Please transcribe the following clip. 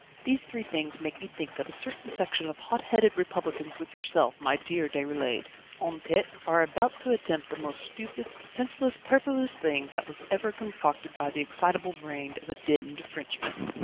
These three things make me think that a certain section of hot headed Republicans with yourself, my dear Déroulède, en tête, are about to attempt the most stupid, senseless, purposeless thing that was ever concocted by the excitable brain of a demmed Frenchman."